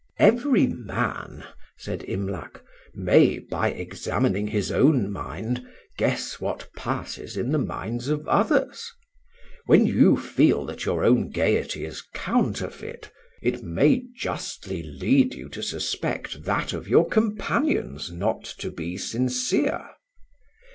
"Every man," said Imlac, "may by examining his own mind guess what passes in the minds of others. When you feel that your own gaiety is counterfeit, it may justly lead you to suspect that of your companions not to be sincere.